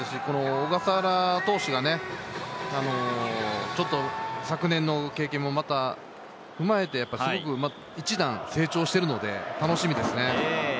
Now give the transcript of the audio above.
小笠原投手がね、ちょっと昨年の経験もまた踏まえて、一段成長しているので楽しみですね。